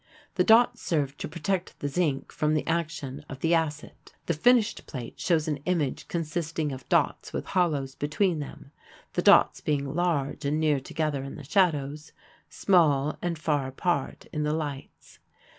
The dots serve to protect the zinc from the action of the acid.[A] The finished plate shows an image consisting of dots with hollows between them, the dots being large and near together in the shadows, small and far apart in the lights.